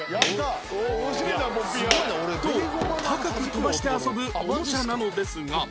高く跳ばして遊ぶおもちゃなのですが